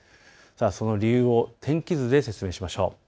その理由を天気図で説明しましょう。